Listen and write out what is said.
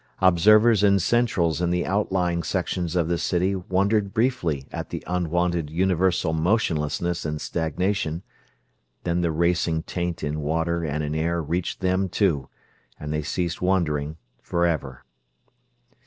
Observers and centrals in the outlying sections of the city wondered briefly at the unwonted universal motionlessness and stagnation; then the racing taint in water and in air reached them, too, and they ceased wondering forever.